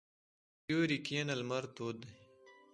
په سیوري کښېنه، لمر تود دی.